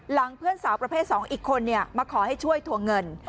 เพื่อนสาวประเภท๒อีกคนมาขอให้ช่วยทวงเงิน